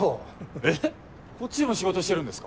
えっこっちでも仕事してるんですか。